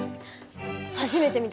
初めて見た。